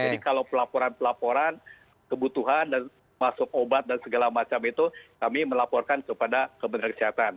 jadi kalau pelaporan pelaporan kebutuhan dan masuk obat dan segala macam itu kami melaporkan kepada kementerian kesehatan